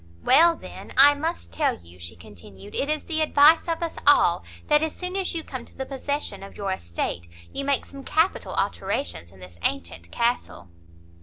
"Well, then, I must tell you," she continued, "it is the advice of us all, that as soon as you come to the possession of your estate, you make some capital alterations in this antient castle."